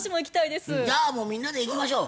じゃあもうみんなで行きましょう。